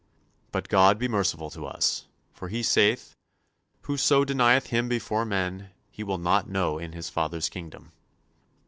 But God be merciful to us, for He saith, whoso denyeth Him before men, He will not know in His Father's Kingdom.